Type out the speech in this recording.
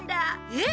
えっ！？